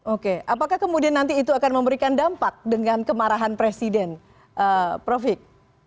oke apakah kemudian nanti itu akan memberikan dampak dengan kemarahan presiden prof hik